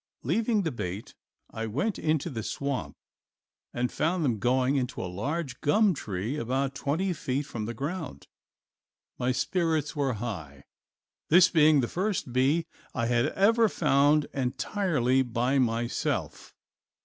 Leaving the bait I went into the swamp and found them going into a large gum tree about twenty feet from the ground. My spirits were high, this being the first bee I had ever found entirely by myself.